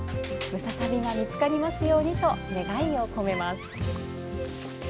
ムササビが見つかりますようにと願いを込めます。